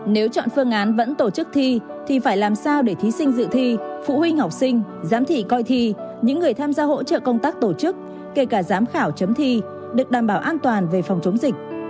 nếu chọn phương án vẫn tổ chức thi thì phải làm sao để thí sinh dự thi phụ huynh học sinh giám thị coi thi những người tham gia hỗ trợ công tác tổ chức kể cả giám khảo chấm thi được đảm bảo an toàn về phòng chống dịch